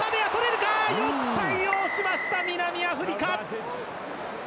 よく対応しました、南アフリカ。